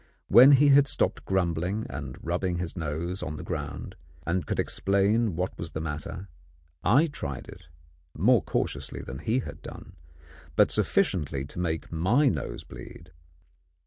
When he had stopped grumbling and rubbing his nose on the ground, and could explain what was the matter, I tried it, more cautiously than he had done, but still sufficiently to make my nose bleed.